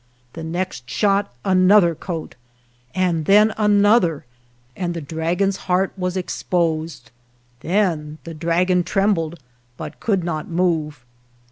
The next shot another coat, ana then another, and the dragon's heart was 9 GERONIMO exposed. Then the dragon trembled, but could not move.